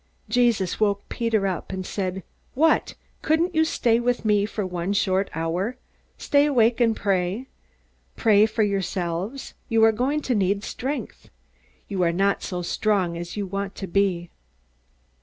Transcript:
Jesus woke Peter up, and said: "What! Couldn't you stay with me for one short hour? Stay awake and pray. Pray for yourselves. You are going to need strength. You are not so strong as you want to be."